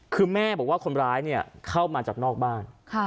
คือแม่บอกว่าคนร้ายเนี่ยเข้ามาจากนอกบ้าน